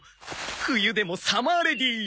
「冬でもサマーレディー！